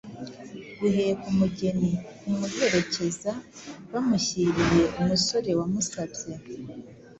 Guheka umugeni: kumuherekeza bamushyiriye umusore wamusabye.